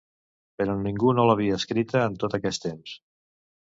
Però ningú no l’havia escrita en tot aquest temps.